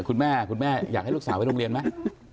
คุณแม่คุณแม่อยากให้ลูกสาวไปโรงเรียนไหม